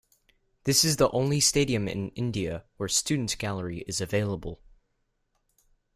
This is the only stadium in India where Students Gallery is available.